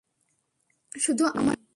শুধু আমার জন্য।